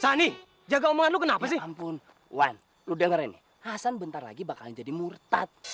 sani jaga umpangan lu kenapa sih ampun one udah ngeri hasan bentar lagi bakalan jadi murtad